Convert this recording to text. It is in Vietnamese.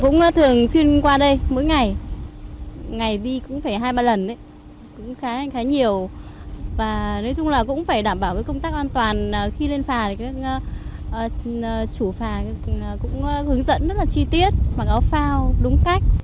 nói chung là cũng phải đảm bảo công tác an toàn khi lên phà chủ phà cũng hướng dẫn rất là chi tiết bằng áo phao đúng cách